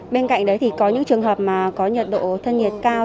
bên cạnh đấy có những trường hợp có nhiệt độ thân nhiệt cao